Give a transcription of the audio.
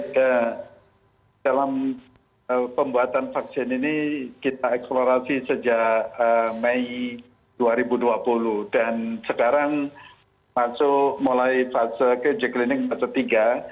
pertama dalam pembuatan vaksin ini kita eksplorasi sejak mei dua ribu dua puluh dan sekarang masuk mulai fase ke uji klinik fase tiga